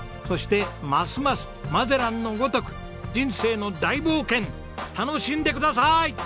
そしてますますマゼランのごとく人生の大冒険楽しんでください！